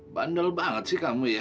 bandel banget sih kamu ya